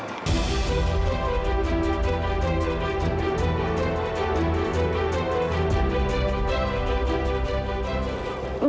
aku akan terus jaga kamu